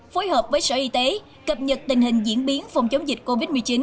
phối hợp với sở y tế cập nhật tình hình diễn biến phòng chống dịch covid một mươi chín